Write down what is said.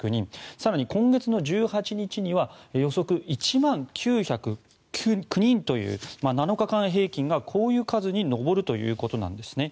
更に今月１８日には予測１万９０９人という７日間平均がこういう数に上るということなんですね。